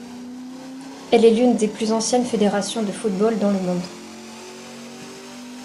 Elle est l’une des plus anciennes fédérations de football dans le monde.